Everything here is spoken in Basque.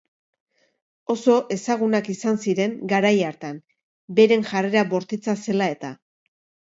Oso ezagunak izan ziren garai hartan, beren jarrera bortitza zela-eta.